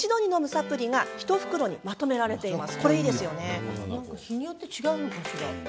サプリが１袋に、まとめられています。